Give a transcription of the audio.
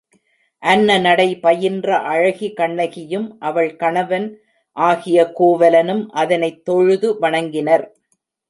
அன்னநடை பயின்ற அழகி கண்ணகியும், அவள் கணவன் ஆகிய கோவலனும் அதனைத் தொழுது வணங்கினர்.